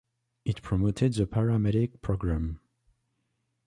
It promoted the paramedic program.